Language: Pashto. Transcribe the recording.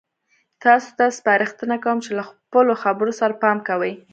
تاسو ته سپارښتنه کوم چې له خپلو خبرو سره پام کوئ.